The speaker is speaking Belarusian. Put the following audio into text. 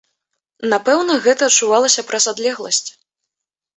Напэўна, гэта адчувалася праз адлегласць.